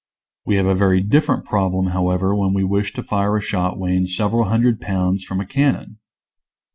We have a very different problem, however, when we wish to fire a shot weighing several hundred pounds from a cannon.